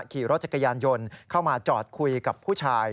ขี่รถจักรยานยนต์เข้ามาจอดคุยกับผู้ชาย